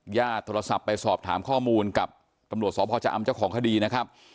หยาดโทรศัพท์ไปสอบถามข้อมูลกับตำรวจสอบมศาลพ่ออาจารย์อำใจของคดีนะครับ